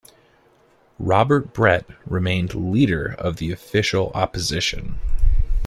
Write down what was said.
Robert Brett remained leader of the official opposition.